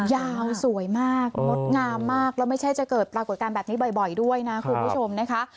ยาวสวยมากงดงามมากแล้วไม่ใช่จะเกิดปรากฏการณ์แบบนี้บ่อยด้วยนะคุณผู้ชมนะคะ